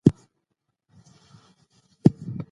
ما د شهيدانو په اړه کتابونه ولوستل.